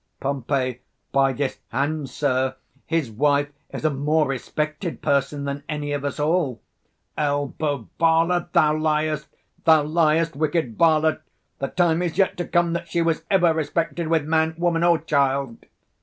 155 Pom. By this hand, sir, his wife is a more respected person than any of us all. Elb. Varlet, thou liest; thou liest, wicked varlet! the time is yet to come that she was ever respected with man, woman, or child.